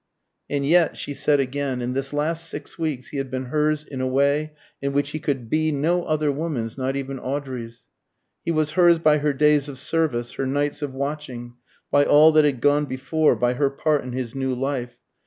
And yet, she said again, in this last six weeks he had been hers in a way in which he could be no other woman's, not even Audrey's. He was hers by her days of service, her nights of watching, by all that had gone before, by her part in his new life.